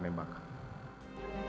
jangan lupa untuk berlangganan